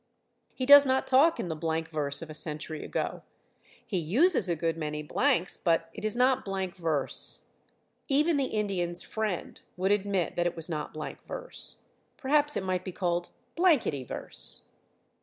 He does not talk in the blank verse of a century ago. He uses a good many blanks, but it is not blank verse. Even the Indian's friend would admit that it was not blank verse. Perhaps it might be called blankety verse.